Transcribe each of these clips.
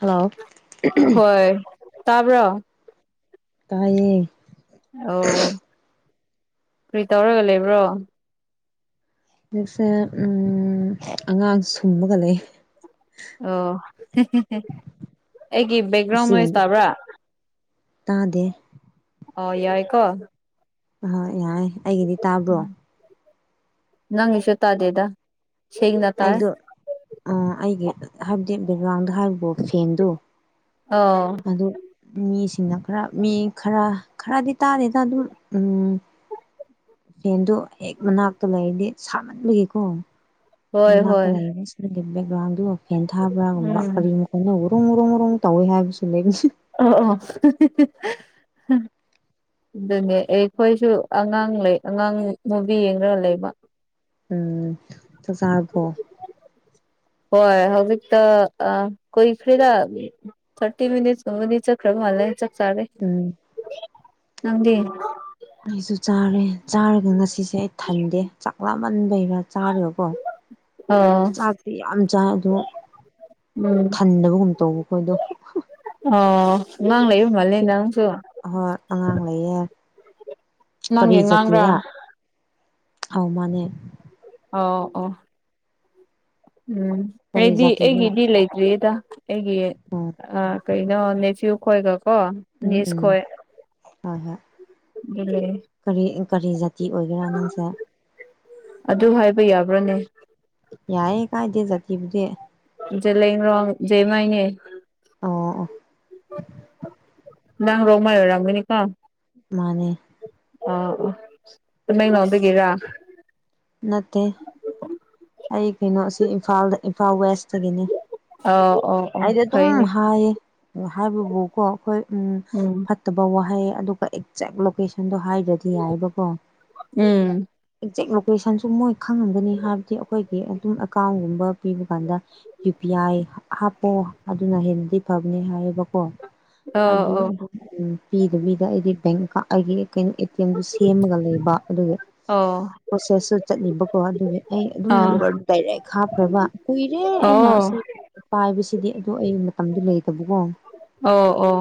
hello ꯍꯣꯏ ꯇꯥꯕ꯭ꯔꯣ ꯇꯥꯏꯌꯦ ꯑꯣ ꯀꯔꯤ ꯇꯧꯔꯒ ꯂꯩꯕ꯭ꯔꯣ ꯍꯧꯖꯤꯛꯁꯦ ꯑꯉꯥꯡ ꯁꯨꯝꯕꯒ ꯂꯩ ꯑꯣ ꯑꯩꯒꯤ ꯕꯦꯛꯒ꯭ꯔꯥꯎꯟ ꯅꯣꯏꯁ ꯏꯆꯦꯒꯨꯝꯕ ꯇꯥꯕ꯭ꯔꯥ ꯇꯥꯗꯦ ꯑꯣ ꯌꯥꯏꯀꯣ ꯑꯣꯏ ꯌꯥꯏ ꯑꯩꯒꯤꯗꯤ ꯇꯥꯕ꯭ꯔꯣ ꯅꯪꯒꯤꯁꯨ ꯇꯗꯦꯗ ꯑꯩꯗꯣ ꯑꯩꯒꯤ ꯍꯥꯏꯕꯗꯤ ꯕꯦꯕꯥꯥꯡꯗ ꯍꯥꯏꯕꯕꯣ ꯐꯦꯟꯗꯣ ꯑꯣ ꯑꯗꯣ ꯃꯤ ꯁꯤꯅ ꯈꯔ ꯃꯤ ꯈꯔ ꯈꯔꯗꯤ ꯇꯥꯗꯦꯗ ꯑꯗꯨꯝ ꯎꯝ ꯐꯦꯟꯗꯣ ꯍꯦꯛ ꯃꯅꯥꯛꯇ ꯂꯩꯔꯗꯤ ꯁꯥꯃꯟꯕꯒꯤꯀꯣ ꯍꯣꯏ ꯃꯅꯥꯛꯇ ꯍꯣꯏ ꯂꯩꯔ ꯁꯒꯤ ꯕꯦꯛꯒ꯭ꯔꯥꯎꯟꯗꯨꯒ ꯐꯦꯟ ꯊꯥꯕ꯭ꯔꯥꯒꯨꯝꯕ ꯎꯝ ꯀꯔꯤꯒꯨꯝꯕ ꯈꯣꯅ ꯔꯣꯡ ꯔꯣꯡ ꯔꯣꯡ ꯇꯥꯎꯋꯏ ꯍꯥꯏꯥ ꯄꯜ ꯂꯩ ꯑ ꯑ ꯑꯗꯨꯅꯦ ꯑꯩꯈꯣꯏꯁꯨ ꯑꯉꯥꯡ ꯂꯩ ꯑꯉꯥꯡ ꯃꯨꯚ ꯌꯦꯡꯉꯒ ꯂꯩꯕ ꯎꯝ ꯆ ꯆꯔꯄꯣ ꯍꯣꯏ ꯍꯧꯖꯤꯛꯇ ꯀꯣꯏꯏꯈ꯭ꯔꯤꯗ ꯊꯥꯔꯇꯤ ꯃꯤꯅꯤꯠꯁꯀꯨꯝꯕꯅꯤ ꯆꯠꯈ꯭ꯔꯕꯂ ꯎꯝ ꯅꯪꯗꯤꯦ ꯑꯩꯁꯨ ꯆꯥꯔꯦ ꯆꯥꯔꯒ ꯉꯁꯤꯁꯦ ꯑꯩ ꯊꯟꯗꯦ ꯆꯥꯛꯂꯃ ꯟꯕꯩꯔꯥ ꯆꯥꯔꯒꯀꯣ ꯑꯣ ꯆꯥꯛꯇꯤ ꯌꯥꯝ ꯆꯥꯏ ꯑꯗꯣ ꯎꯝ ꯈꯟꯗꯕꯒꯨꯝ ꯇꯧꯕ ꯑꯩꯈꯣꯏꯗꯣ ꯑꯣ ꯑꯉꯥꯡ ꯂꯩꯕ ꯃꯥꯜꯂ ꯅꯪꯁꯨ ꯍꯣꯏ ꯑꯉꯥꯡ ꯂꯩꯌꯦ ꯅꯪꯒꯤ ꯑꯉꯥꯡꯔ ꯑꯥꯎ ꯃꯥꯅꯦ ꯑꯣ ꯑꯣ ꯎꯝ ꯀꯔꯤ ꯑꯩꯗꯤ ꯖꯥꯇꯤꯅꯣ ꯑꯩꯒꯤꯗꯤ ꯂꯩꯇ꯭ꯔꯤꯗ ꯑꯩꯒꯤ ꯎꯝ ꯀꯩꯅꯣ ꯅꯦꯐ꯭ꯤꯌꯨ ꯎꯝ ꯑꯣ ꯁ ꯎꯝ ꯈꯣꯏ ꯍꯣꯏ ꯍꯣꯏ ꯑꯗꯨ ꯂꯩ ꯀꯔꯤ ꯀꯔꯤ ꯖꯥꯇꯤ ꯑꯣꯏꯒꯦꯔꯥ ꯅꯪꯁꯦ ꯑꯗꯨ ꯍꯥꯏꯕ ꯌꯥꯕ꯭ꯔꯅꯦ ꯌꯥꯏꯌꯦ ꯀꯥꯏꯗꯦ ꯆꯇꯤꯕꯨꯗꯤ ꯍꯩꯂꯩꯔꯣꯅꯡ ꯖꯦꯃꯥꯥꯏꯅꯦ ꯑꯣ ꯅꯪ ꯔꯣꯃꯥꯏ ꯑꯣꯏꯔꯝꯃꯤꯅꯤꯀꯣ ꯃꯥꯅꯦ ꯑꯃ ꯉꯎꯗꯒꯦꯔꯥ ꯅꯠꯇꯦ ꯑꯩ ꯀꯩꯅꯣꯁꯤ ꯏꯝꯐꯥꯜꯗ ꯏꯝꯐꯥꯜ ꯋꯦꯁ ꯆꯠꯆꯅꯦ ꯑꯣ ꯑꯣ ꯑꯣ ꯑꯩꯗꯤ ꯑꯗꯨꯝ ꯐꯩꯅꯦ ꯍꯥꯏꯌꯦ ꯎ ꯍꯥꯏꯕꯕꯨꯀꯣ ꯑꯩꯈꯣꯏ ꯎꯝ ꯐꯠꯇꯕ ꯋꯥꯍꯩ ꯑꯗꯨꯒ ꯑꯦꯛꯖꯦꯛ ꯂꯣꯀꯦꯁꯟꯗꯣ ꯍꯥꯏꯗ꯭ꯔꯗꯤ ꯌꯥꯏꯕꯀꯣ ꯎꯝ ꯑꯦꯛ ꯀꯣꯏꯁꯟꯁꯨ ꯃꯣꯏ ꯈꯪꯉꯝꯒꯅꯤ ꯍꯥꯏꯕꯗꯤ ꯑꯩꯈꯣꯏꯒꯤ ꯑꯗꯨꯝ ꯑꯦꯀꯥꯎꯟꯒꯨꯝꯕ ꯄꯤꯕ ꯀꯥꯟꯗ ꯌꯨ ꯄꯤ ꯑꯥꯏ ꯍꯥꯞꯄꯑꯣ ꯑꯗꯨꯅ ꯍꯦꯟꯅꯗꯤ ꯐꯕꯅꯤ ꯍꯥꯏꯌꯦꯕꯀꯣ ꯑꯗꯨ ꯑꯣ ꯑꯣ ꯑꯗꯨ ꯎ ꯄꯤꯗꯕꯤꯗ ꯑꯩꯗꯤ ꯕꯦꯡꯀ ꯑꯩꯒꯤ ꯀꯩꯅꯣ ꯑꯦ ꯇꯤ ꯑꯦꯝꯗꯨ ꯁꯦꯝꯃꯒ ꯂꯩꯕ ꯑꯗꯨꯒ ꯑꯣ ꯄ꯭ꯔꯣꯁꯦꯁꯁꯨ ꯆꯠꯂꯤꯕꯀꯣ ꯑꯗꯨꯒꯤ ꯑꯩ ꯑꯗꯨꯝ ꯑꯥ ꯅꯝꯕꯔꯗꯨ ꯗꯥꯏꯔꯦꯛ ꯍꯥꯞꯈ꯭ꯔꯕ ꯀꯨꯏꯔꯦ ꯑꯣ ꯑꯩꯅ ꯑꯣ ꯁꯤ ꯄꯥꯏꯕꯁꯤꯗꯤ ꯑꯗꯨ ꯑꯩ ꯃꯇꯝꯗꯨꯣ ꯂꯩꯇꯕꯀꯣ ꯑꯣ ꯑꯣ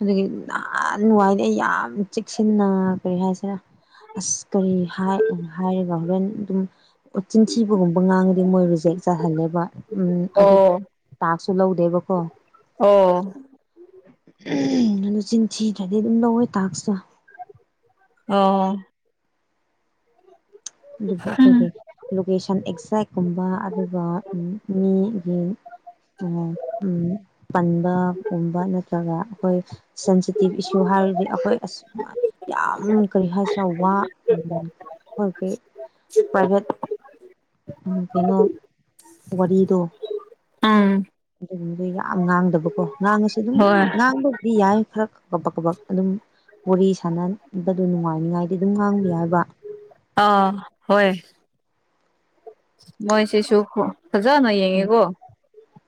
ꯑꯗꯨꯒꯤ ꯅꯍꯥꯟ ꯅꯨꯡꯉꯥꯏꯗꯤꯦ ꯑꯩ ꯌꯥꯝ ꯆꯦꯛꯁꯤꯟꯅ ꯀꯔꯤ ꯍꯥꯏꯁꯤꯔ ꯑꯁ ꯀꯔꯤ ꯍꯥꯏ ꯍꯥꯏꯔꯒ ꯍꯣꯔꯦꯟ ꯑꯗꯨꯝ ꯆꯤꯟꯊꯤꯕꯒꯨꯝꯕ ꯉꯥꯡꯉꯗꯤ ꯃꯣꯏ ꯔꯤꯖꯦꯛ ꯆꯥꯍꯜꯂꯦꯕ ꯑꯗꯨ ꯑꯣ ꯇꯥꯛꯁꯨ ꯂꯧꯗꯦꯕꯀꯣ ꯑ ꯑꯗꯨ ꯆꯤꯟꯊꯤꯗ꯭ꯔꯗꯤ ꯑꯗꯨꯝ ꯂꯧꯋꯦ ꯇꯥꯛꯁꯤꯇ ꯑꯣ ꯎꯝ ꯑꯗꯨꯕꯣꯛꯈꯒꯦ ꯂꯣꯀꯦꯁꯟ ꯑꯦꯛꯖꯦꯛꯀꯨꯝꯕ ꯑꯗꯨꯒ ꯃꯤꯒꯤ ꯎ ꯄꯟꯕꯒꯨꯝꯕ ꯅꯠꯇ꯭ꯔꯒ ꯑꯩꯈꯣꯏ ꯁꯦꯟꯁꯤꯇꯤꯞ ꯏꯁꯨ ꯍꯥꯏ ꯍꯥꯏꯔꯗꯤ ꯑꯩꯈꯣꯏ ꯑꯁ ꯌꯥꯝ ꯀꯔꯤ ꯍꯥꯏꯕ ꯑꯩꯈꯣꯏꯒꯤ ꯄ꯭ꯔꯥꯏꯚꯦꯠ ꯀꯩꯅꯣ ꯋꯥꯔꯤꯗꯣ ꯎꯝ ꯑꯗꯨꯒꯨꯝꯕꯗ ꯌꯥꯝ ꯉꯥꯡꯗꯕꯀꯣ ꯉꯥꯡꯉꯁꯨꯦ ꯑꯗꯨꯝ ꯍꯣꯏ ꯉꯥꯡꯕ ꯗꯤ ꯌꯥꯏ ꯈꯔ ꯀꯕꯛ ꯀꯕꯛ ꯑꯗꯨꯝ ꯃꯣꯔꯤ ꯁꯥꯟꯅꯕꯗꯨ ꯅꯨꯡꯉꯥꯏꯅꯤꯉꯥꯏꯗꯤ ꯑꯗꯨꯝ ꯉꯥꯡꯕ ꯍꯥꯏꯕ ꯑꯥ ꯍꯣꯏ ꯃꯣꯏꯁꯤꯁꯨ ꯐꯖꯅ ꯌꯦꯡꯉꯦꯀꯣ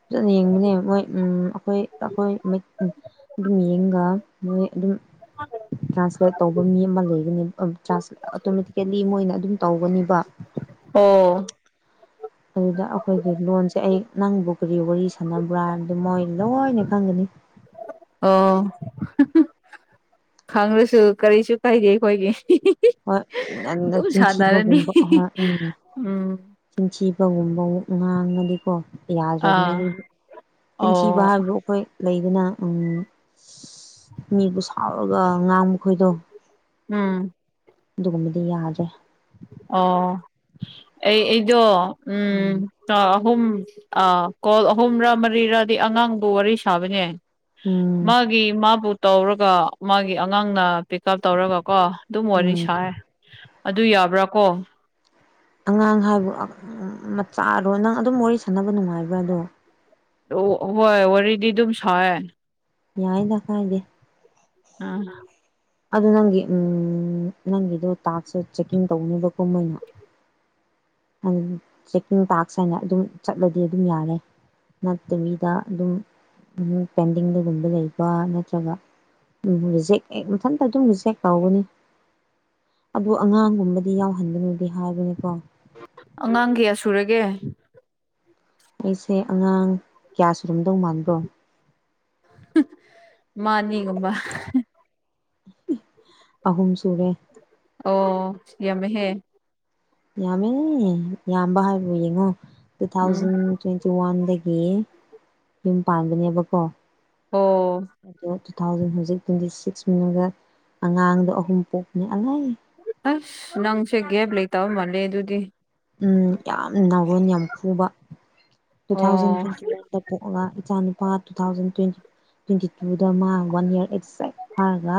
ꯐꯖꯅ ꯌꯦꯡꯕꯅꯦ ꯃꯣꯏ ꯑꯩꯈꯣꯏ ꯑꯩꯈꯣꯏ ꯑꯗꯨꯝ ꯌꯦꯡꯒ ꯃꯣꯏ ꯑꯗꯨꯝ ꯇ꯭ꯔꯥꯟꯁꯂꯦꯠ ꯇꯧꯕ ꯃꯤ ꯑꯃ ꯂꯩꯒꯅꯤ ꯑꯣꯇꯣꯃꯦꯇꯤꯀꯦꯜꯂꯤ ꯃꯣꯏꯅ ꯑꯗꯨꯝ ꯇꯧꯒꯅꯦꯕ [inaudible] ꯑꯣ ꯑꯗꯨꯗ ꯑꯩꯈꯣꯏꯒꯤ ꯂꯣꯟꯁꯦ ꯑꯩ ꯅꯪꯕꯨ ꯀꯔꯤ ꯋꯥꯔꯤ ꯁꯥꯟꯅꯕ꯭ꯔꯥ ꯍꯥꯏꯅꯗ ꯃꯣꯏ ꯂꯣꯏꯅ ꯈꯪꯒꯅꯤ [inaudible] ꯑꯣ ꯈꯪꯗ꯭ꯔꯁꯨ ꯀꯔꯤꯁꯨ ꯀꯥꯏꯗꯦ ꯑꯩꯈꯣꯏꯒꯤ ꯍꯣꯏ ꯑꯗꯨꯝ ꯁꯥꯟꯅꯔꯅꯤ ꯆꯤꯟꯊꯤꯕꯒꯨꯝꯕ ꯍꯣꯏ ꯎꯝ ꯎꯝ ꯆꯤꯟꯊꯤ ꯀꯒꯨꯝꯕꯛ ꯉꯥꯡꯉꯗꯤꯀꯣ ꯌꯥꯗ꯭ꯔꯕꯅꯦ ꯑꯥ ꯑꯗꯨ ꯇꯤꯟꯊꯤꯕ ꯑꯣ ꯍꯥꯏꯕꯕꯨ ꯑꯩꯈꯣꯏ ꯂꯩꯗꯨꯅ ꯎ ꯃꯤꯕꯨ ꯁꯥꯎꯔꯒ ꯉꯥꯡ ꯃꯈꯣꯏꯗꯣ ꯎꯝ ꯃꯗꯤ ꯌꯥꯖ ꯑꯣ ꯑꯩ ꯑꯩꯗꯣ ꯎꯝ ꯑꯍꯨꯝ ꯑ ꯀꯣꯜ ꯑꯍꯨꯝꯔ ꯃꯔꯤꯔꯗꯤ ꯑꯉꯥꯡꯕꯨ ꯋꯥꯔꯤ ꯁꯥꯕꯅꯦ ꯎꯝ ꯃꯥꯒꯤ ꯃꯥꯕꯨ ꯇꯧꯔꯒ ꯃꯥꯒꯤ ꯑꯉꯥꯡꯅ ꯆꯤꯞ ꯇꯧꯔꯒ ꯀꯣ ꯑꯗꯨꯝ ꯋꯥꯔꯤ ꯎꯝ ꯁꯥꯔꯦ ꯑꯗꯨ ꯌꯥꯕ꯭ꯔꯥ ꯀꯣ ꯑꯉꯥꯡ ꯍꯥꯏꯕꯨ ꯃꯆꯥꯗꯣ ꯅꯪ ꯑꯗꯨꯝ ꯋꯥꯔꯤ ꯁꯥꯟꯅꯕ ꯅꯨꯡꯉꯥꯏꯕ꯭ꯔꯥ ꯑꯗꯣ ꯍꯣꯏ ꯋꯥꯔꯤꯗꯤ ꯑꯗꯨꯝ ꯁꯑ ꯌꯥꯥꯏꯗꯥꯛꯀ ꯏꯗꯦ ꯎꯝ ꯑꯗꯨ ꯅꯪꯒꯤ ꯎ ꯅꯪꯒꯤꯗꯣ ꯇꯥꯛꯁ ꯆꯦꯛꯀꯤꯡ ꯇꯧꯅꯦꯕ ꯀꯨꯝꯍꯩꯅ ꯑꯗꯨꯝ ꯆꯦꯛꯀꯤꯡ ꯇꯥꯛꯁ ꯍꯥꯏꯅ ꯑꯗꯨꯝ ꯆꯠꯂꯗꯤ ꯑꯗꯨꯝ ꯌꯥꯔꯦ ꯅꯠꯇꯕꯤꯗ ꯑꯗꯨꯝ ꯄꯦꯟꯗꯤꯡꯗꯒꯨꯝꯕ ꯂꯩꯕ ꯅꯠꯇ꯭ꯔꯒ ꯎꯝ ꯖꯦꯛ ꯍꯦꯛ ꯃꯊꯟꯇ ꯑꯗꯨꯝ ꯖꯦꯛ ꯂꯥꯎꯒꯅꯤ ꯑꯗꯨ ꯑꯉꯥꯡꯒꯨꯝꯕꯗꯤ ꯌꯥꯎꯍꯟꯕꯅꯨꯗꯤ ꯍꯥꯏꯕꯅꯤꯀꯣ ꯑꯉꯥꯡ ꯀꯌꯥ ꯁꯨꯔꯒꯦ ꯑꯩꯁꯦ ꯑꯉꯥꯡ ꯀꯌꯥ ꯁꯔꯨꯝꯝꯗꯧ ꯃꯥꯟꯕ꯭ꯔꯣ ꯃꯥꯅꯤꯒꯨꯝꯕ ꯑꯍꯨꯝꯁꯨ ꯑꯣ ꯌꯥꯃꯦꯍꯦ ꯌꯥꯝꯃꯦ ꯌꯥꯝꯕ ꯍꯥꯏꯕ ꯌꯦꯡꯉꯣ ꯇꯨ ꯎꯝ ꯊꯥꯎꯖꯟ ꯇ꯭ꯋꯦꯟꯇꯤ ꯋꯥꯟꯗꯒꯤ ꯏ ꯌꯨꯝ ꯄꯥꯟꯕꯅꯦꯕꯀꯣ ꯑꯥ ꯑꯗꯣ ꯇꯨ ꯊꯥꯎꯖꯟ ꯍꯧꯖꯤꯛ ꯇ꯭ꯋꯦꯟꯇꯤ ꯁꯤꯛꯁ ꯃꯅꯨꯡꯗꯒ ꯑꯉꯥꯡꯗꯣ ꯑꯍꯨꯝ ꯄꯣꯛꯄꯅꯦ ꯑꯂꯩ ꯅꯪꯁꯦ ꯒꯦꯞ ꯂꯩꯇꯕ ꯃꯥꯜꯂꯦ ꯑꯗꯨꯗꯤ ꯎꯝ ꯌꯥꯝ ꯅꯥꯎꯔꯣꯟ ꯌꯥꯝ ꯐꯨꯕ ꯇꯨ ꯊꯥꯎꯖꯟ ꯑꯣ ꯇ꯭ꯋꯦꯟꯇꯤ ꯋꯥꯟꯗ ꯄꯣꯛꯑꯒ ꯏꯆꯥꯅꯨꯄꯥ ꯇꯨ ꯊꯥꯎꯖꯟ ꯇ꯭ꯋꯦꯟꯇꯤ ꯇ꯭ꯋꯦꯟꯇꯤ ꯇꯨꯗ ꯃꯥ ꯋꯥꯟ ꯏꯌꯥꯔ ꯑꯩꯠꯥꯏ ꯐꯥꯔꯒ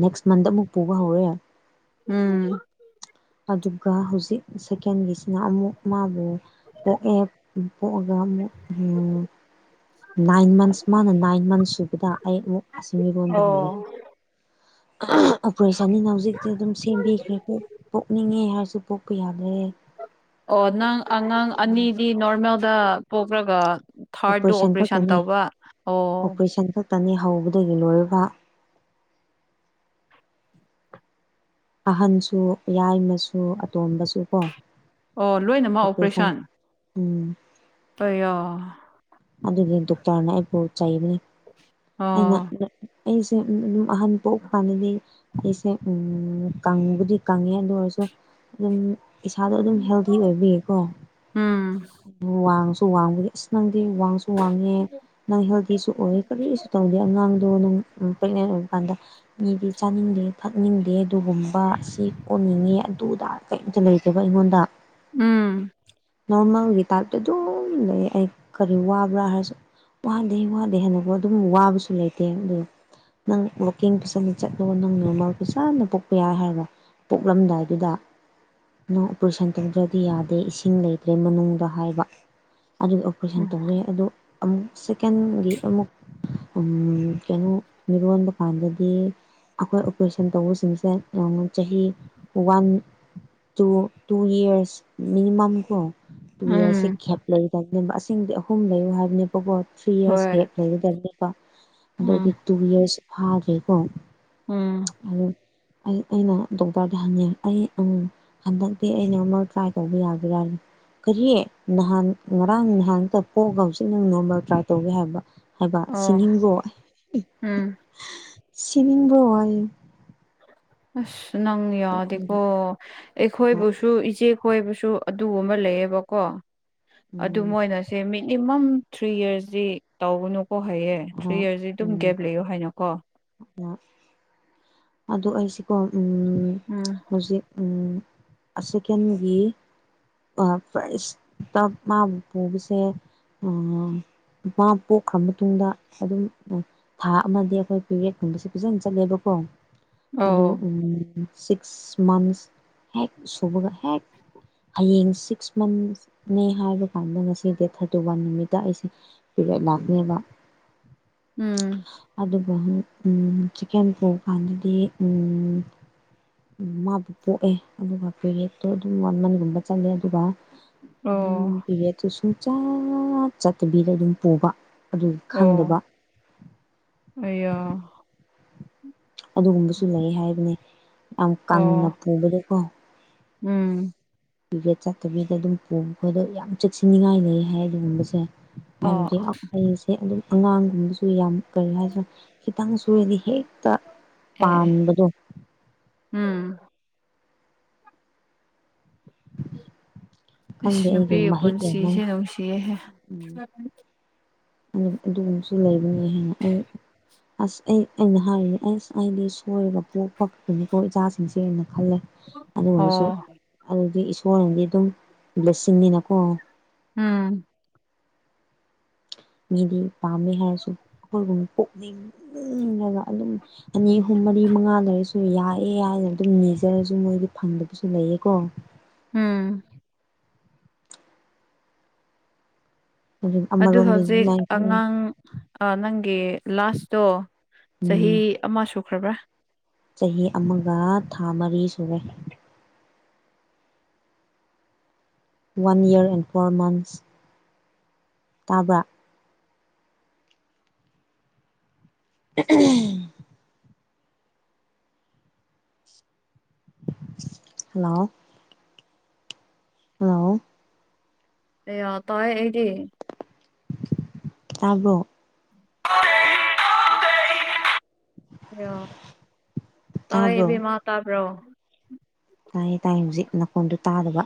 ꯅꯦꯛꯁ ꯃꯟꯗ ꯑꯃꯨꯛ ꯄꯨꯕ ꯍꯧꯔꯦ ꯎꯝ ꯑꯗꯨꯒ ꯍꯧꯖꯤꯛ ꯁꯦꯀꯦꯟꯒꯤꯁꯤꯅ ꯑꯃꯨꯛ ꯃꯥꯕꯨ ꯄꯣꯛ ꯑꯦ ꯄꯣꯛꯒ ꯅꯥꯏꯟ ꯃꯟꯁ ꯃꯥꯅ ꯅꯥꯏꯟ ꯃꯟꯁ ꯁꯨꯕꯗ ꯑꯩ ꯑꯃꯨꯛ ꯑꯁꯤꯕꯤꯔꯣꯟꯝꯗ ꯍꯧꯔꯦ ꯑꯣ ꯑꯣꯄꯔꯦꯁꯟꯁꯤꯅ ꯍꯧꯖꯤꯛꯇꯤ ꯑꯗꯨꯝ ꯁꯦꯝꯕꯤꯈ꯭ꯔꯦ ꯄꯣꯛꯅꯤꯡꯉꯦ ꯍꯥꯏꯔꯁꯨ ꯄꯣꯛꯄ ꯌꯥꯕ ꯑꯣ ꯅꯪ ꯑꯉꯥꯡ ꯑꯅꯤꯗꯤ ꯅꯣꯔꯃꯦꯜꯗ ꯄꯣꯛꯈ꯭ꯔꯒ ꯊꯥꯔꯗꯗꯣ ꯑꯣꯄꯔꯦꯁꯟ ꯇꯧꯕ ꯑꯣ ꯆꯅꯤ ꯍꯧꯕꯗꯒꯤ ꯂꯣꯏꯔꯒ ꯑꯍꯟꯁꯨ ꯌꯥꯌꯥꯏꯃꯁꯨ ꯇꯣꯝꯕꯁꯨ ꯀꯣ ꯑꯣ ꯂꯣꯏꯅꯃꯛ ꯑꯩꯏ ꯁ ꯑꯣꯄꯔꯦꯁꯟ ꯎꯝ ꯑꯌꯥ ꯑꯗꯨꯒꯤ ꯗꯣꯛꯇꯔꯅ ꯑꯩꯕꯨ ꯆꯩꯕꯅꯦ ꯑꯩꯅ ꯑꯣ ꯑꯩꯁꯦ ꯑꯍꯟ ꯄꯣꯛ ꯐꯗꯤ ꯑꯩꯁꯦ ꯀꯪꯕꯨꯗꯤ ꯀꯪꯉꯦ ꯑꯗꯨ ꯑꯣꯏꯔꯁꯨ ꯑꯗꯨꯝ ꯏꯁꯥꯗꯣ ꯑꯗꯨꯝ ꯍꯦꯜꯗꯤ ꯑꯣꯏꯕꯤꯌꯦꯀꯣ ꯎꯝ ꯑꯗꯨ ꯋꯥꯡꯁꯨ ꯋꯥꯡꯕꯒꯤ ꯑꯁ ꯅꯪ ꯁꯤ ꯋꯥꯡꯁꯨ ꯋꯥꯡꯉꯦ ꯅꯪ ꯍꯦꯜꯗꯤꯁꯨ ꯑꯣꯏ ꯀꯔꯤꯁꯨ ꯇꯧꯗꯦ ꯑꯉꯥꯡꯗꯣ ꯅꯪ ꯄ꯭ꯔꯦꯒꯅꯦꯟ ꯑꯣꯏꯕ ꯀꯥꯟꯗ ꯃꯤꯗꯤ ꯆꯥꯅꯤꯡꯗꯦ ꯊꯛꯅꯤꯡꯗꯦ ꯑꯗꯨꯒꯨꯝꯕ ꯑꯁꯤ ꯀꯣꯟꯅꯤꯡꯉꯤ ꯑꯗꯨꯗ ꯀꯔꯤꯝꯇ ꯂꯩꯖꯕ ꯑꯩꯉꯣꯟꯗ ꯎꯝ ꯅꯣꯔꯃꯦꯜꯒꯤ ꯇꯥꯏꯞꯇ ꯑꯗꯨꯝ ꯂꯩ ꯑꯩ ꯀꯔꯤ ꯋꯥꯕ꯭ꯔꯥ ꯍꯥꯏꯔꯁꯨ ꯋꯥꯗꯦ ꯋꯥꯗꯦ ꯍꯗꯄ ꯑꯗꯨꯝ ꯋꯥꯕꯁꯨ ꯂꯩꯇꯦ ꯑꯗꯨ ꯅꯪ ꯣꯀꯤꯡ ꯄꯩꯁꯅ ꯆꯠꯂꯣ ꯅꯪ ꯅꯣꯔꯃꯜ ꯄꯩꯁꯥꯅ ꯄꯣꯛꯄ ꯌꯥꯏ ꯍꯥꯏꯔꯕ ꯄꯣꯛꯂꯝꯗꯥꯏꯗꯨꯗ ꯅ ꯑꯣꯄꯔꯦꯁꯟ ꯇꯧꯗ꯭ꯔꯗꯤ ꯌꯥꯗꯦ ꯏꯁꯤꯡ ꯂꯩꯇ꯭ꯔꯦ ꯃꯅꯨꯡꯗ ꯍꯥꯏꯕ ꯑꯗꯨ ꯀꯄꯣꯏꯁꯟ ꯇꯧꯕꯤ ꯌꯥꯏ ꯑꯗꯣ ꯑꯃꯨꯛ ꯁꯦꯀꯦꯟꯒꯤ ꯑꯃꯨꯛ ꯎꯝ ꯀꯩꯅꯣ ꯃꯤꯔꯣꯟꯕ ꯀꯥꯟꯗꯗꯤ ꯑꯩꯈꯣꯏ ꯑꯣꯄꯔꯦꯁꯟ ꯇꯧꯕꯁꯤꯡꯁꯦ ꯌꯥꯝ ꯆꯍꯤ one two two years minimum ꯀꯣ ꯇꯨ ꯎꯝ ꯏꯔꯁꯁꯦ ꯦꯞ ꯂꯩꯕꯅꯦ ꯑꯗꯤ ꯑꯍꯨꯝ ꯂꯩꯌꯨ ꯍꯥꯏꯕꯅꯦ ꯕꯣꯠ ꯊ꯭ꯔꯤ ꯌꯔꯁ ꯍꯣꯏ ꯒꯞ ꯂꯩꯒꯗꯕꯅꯤꯀꯣ ꯎꯝ ꯑꯗꯩꯗꯤ ꯇꯨ ꯌꯔꯁ ꯐꯥꯈ꯭ꯔꯦꯀꯣ ꯎꯝ ꯑꯩꯅ ꯗꯣꯛꯇꯔꯗ ꯍꯪꯉ ꯑꯩ ꯑꯃ ꯍꯟꯗꯛꯇꯤ ꯑꯩꯅ ꯑꯃ ꯇ꯭ꯔꯥꯏ ꯇꯧꯕ ꯌꯥꯒꯔꯥꯅꯤ ꯀꯔꯤ ꯅꯍꯥꯟ ꯉꯔꯥꯡ ꯅꯍꯥꯟꯇ ꯄꯣꯛꯑꯒ ꯍꯧꯖꯤꯛ ꯅꯪ ꯅꯣꯡꯃ ꯇ꯭ꯔꯥꯏ ꯇꯧꯒꯦ ꯍꯥꯏꯕ ꯍꯥꯏꯕ ꯑꯣ ꯁꯤꯅꯤꯡꯕꯣ ꯎꯝ ꯁꯤꯅꯤꯡꯤꯡꯕꯣ ꯑꯁ ꯅꯪ ꯌꯥꯗꯤꯀꯣ ꯑꯩꯈꯣꯏꯕꯨꯁꯨ ꯏꯆꯦ ꯍꯣꯏꯕꯁꯨ ꯑꯗꯨꯒꯨꯝꯕ ꯂꯩꯌꯦꯕꯀꯣ ꯑꯗꯨ ꯎꯝ ꯃꯣꯏꯅꯁꯦ ꯃꯤ ꯃꯤꯅꯤꯃꯝ ꯊ꯭ꯔꯤ ꯌꯔꯁꯇ ꯇꯧꯕꯅꯨ ꯍꯣꯏ ꯍꯑꯦ ꯊ꯭ꯔꯤ ꯌꯔꯁꯁꯤ ꯑꯗꯨꯝ ꯒꯦꯞ ꯂꯩꯌꯣ ꯍꯥꯏꯅꯀꯣ ꯑ ꯑꯣ ꯑꯩꯁꯤꯀꯣ ꯎꯝ ꯍꯧꯖꯤꯛ ꯐ ꯃꯥꯕꯨ ꯄꯨꯕꯁꯦ ꯃꯥ ꯄꯣꯛꯈ꯭ꯔ ꯃꯇꯨꯡꯗ ꯑꯗꯨꯝ ꯊꯥ ꯑꯃꯗꯤ ꯑꯩꯈꯣꯏ ꯄꯦꯔꯦꯠꯀꯨꯝꯕꯁꯦ ꯐꯖꯅ ꯆꯠꯂꯦꯕꯀꯣ ꯑꯗꯨ ꯑꯣ ꯁꯤꯛꯁ ꯃꯟꯊꯁ ꯍꯦꯛꯦꯛ ꯁꯨꯕꯒ ꯍꯦꯛꯦꯛ ꯍꯌꯦꯡ ꯁꯤꯛꯁ ꯃꯟꯁꯅꯦ ꯍꯥꯏꯕ ꯀꯥꯟꯗ ꯉꯁꯤ ꯗꯦ ꯊꯥꯔꯇꯤ ꯋꯥꯟ ꯅꯨꯃꯤꯠꯇ ꯑꯩꯁꯦ ꯂꯉꯦꯗ ꯎꯝ ꯑ ꯆꯤꯛꯀꯦꯟ ꯄꯣꯛꯀꯥꯟꯗꯗꯤ ꯃꯥꯕꯨ ꯄꯣꯛꯑꯦ ꯑꯗꯨꯒ ꯄꯦꯔꯦꯠꯇꯣ ꯑꯗꯨꯝ ꯃꯃꯟꯒꯨꯝꯕ ꯆꯜꯂꯦ ꯑꯗꯨꯒ ꯑꯗꯨꯝ ꯑꯣ ꯄꯤꯔꯦ ꯑꯗꯨ ꯁꯨꯡꯆ ꯆꯠꯇꯕꯤꯔ ꯑꯗꯨꯝ ꯄꯨꯕ ꯑꯗꯨ ꯈꯪꯗꯕ ꯑꯣ ꯑꯗꯨꯒꯨꯝꯕꯁꯨ ꯂꯩ ꯍꯥꯏꯕꯅꯦ ꯌꯥꯝ ꯀꯪꯅ ꯑꯣ ꯄꯨꯕꯗꯀꯣ ꯎꯝ ꯇꯤꯀꯦꯠ ꯆꯠꯇꯕꯤꯗ ꯑꯗꯨꯝ ꯄꯣꯕꯄꯗꯣ ꯌꯥꯝ ꯆꯦꯛꯁꯤꯟꯅꯤꯡꯉꯥꯏ ꯂꯩ ꯑꯗꯨꯒꯨꯝꯕꯁꯦ ꯑꯣ ꯍꯥꯏꯕꯗꯤꯈꯁꯦ ꯑꯗꯨꯝ ꯑꯉꯥꯡꯒꯨꯝꯕꯁꯨ ꯌꯥꯝ ꯀꯔꯤ ꯍꯥꯏꯁꯨ ꯈꯤꯇꯪ ꯁꯨꯔꯗꯤ ꯍꯦꯛꯇ ꯑꯦ ꯑꯦ ꯄꯥꯟꯕꯗꯣ ꯎꯝ ꯁ ꯈꯪꯗꯦ ꯑꯩꯒꯤ ꯅꯨꯄꯤ ꯃꯍꯤꯛ ꯌꯥꯝꯃꯟ ꯄꯨꯟꯁꯤꯁꯦ ꯅꯅꯨꯡꯁꯤꯍꯦ ꯎꯝ ꯑꯗꯨꯒꯨꯝꯕꯁꯨ ꯂꯩꯕꯅꯤ ꯍꯥꯏꯅ ꯑꯩ ꯑꯁ ꯑꯩ ꯑꯩꯅ ꯍꯥꯏꯔꯤꯅꯦ ꯑꯁ ꯑꯩꯗꯤ ꯁꯣꯏꯔꯒ ꯄꯣꯛꯄꯄꯅꯤꯀꯣ ꯏꯆꯥꯁꯤꯡꯁꯦꯩꯅ ꯈꯜꯂꯦ ꯑꯗꯨ ꯑꯣꯏꯔꯁꯨ ꯑꯣ ꯑꯗꯨꯗꯤ ꯏꯁꯣꯔꯅꯗꯤ ꯑꯗꯨꯝ ꯕ꯭ꯂꯦꯁꯁꯤꯡ ꯅꯤꯅꯀꯣ ꯎꯝ ꯃꯤꯗꯤ ꯄꯥꯝꯃꯦ ꯍꯥꯏꯔꯁꯨ ꯑꯩꯈꯣꯏꯒꯨꯝ ꯀꯣꯛꯅꯤꯡꯂꯒ ꯑꯗꯨꯝ ꯑꯅꯤ ꯑꯍꯨꯝ ꯃꯔꯤ ꯃꯉꯥ ꯂꯩꯔꯁꯨ ꯑꯗꯨ ꯌꯥꯏꯑꯦ ꯍꯥꯏꯅ ꯑꯗꯨꯝ ꯃꯦꯖꯔꯁꯨ ꯃꯣꯏꯗꯤ ꯐꯪꯗꯕꯁꯨ ꯂꯩꯌꯦꯀꯣ ꯎꯝ ꯑꯗꯨ ꯑꯃꯔꯣꯝꯗꯗꯤ ꯍꯧꯖꯤꯛ ꯑꯗꯨꯃꯥꯏꯅ ꯈꯜꯂꯦ ꯑꯉꯥꯡ ꯅꯪ ꯒꯤ ꯂꯥꯁꯇꯣ ꯆꯍꯤ ꯑꯃ ꯁꯨꯈ꯭ꯔꯕ꯭ꯔ ꯆꯍꯤ ꯑꯃꯒ ꯊꯥ ꯃꯔꯤ ꯁꯨꯔꯦ one year and four months ꯇꯥꯕꯔ ꯎꯝ ꯍꯜꯂꯣ ꯍꯜꯂꯣ ꯑꯦ ꯇꯥꯏ ꯑꯩꯗꯤ ꯇꯥꯕꯔꯣ [unintelligible] ꯇꯥꯏ ꯇꯥꯕ꯭ꯔꯣ ꯏꯕꯦꯝꯃ ꯇꯥꯕ꯭ꯔꯣ ꯇꯥꯏꯌꯦ ꯇꯥꯏ ꯍꯧꯖꯤꯛ ꯅꯈꯣꯟꯗꯨ ꯇꯥꯗꯕ